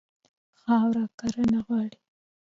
خاوره کرنه غواړي.